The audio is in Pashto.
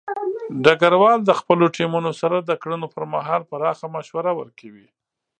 ډګروال د خپلو ټیمونو سره د کړنو پر مهال پراخه مشوره ورکوي.